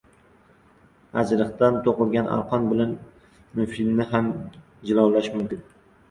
• Ajriqdan to‘qilgan arqon bilan filni ham jilovlash mumkin.